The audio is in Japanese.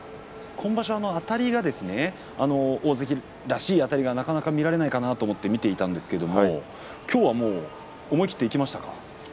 今場所は突っ張りが大関らしいあたりがなかなか見られないかなと思って見ていたんですがきょうは思い切っていきましたか。